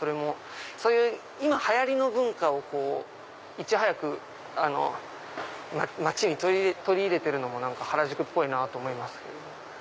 そういう今流行りの文化をいち早く街に取り入れてるのも原宿っぽいなぁと思います。